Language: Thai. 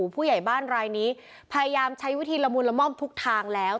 ผู้ใหญ่บ้านรายนี้พยายามใช้วิธีละมุนละม่อมทุกทางแล้ว